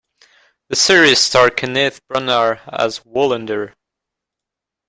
The series stars Kenneth Branagh as Wallander.